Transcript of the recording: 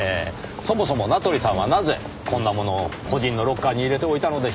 そもそも名取さんはなぜこんなものを個人のロッカーに入れておいたのでしょう？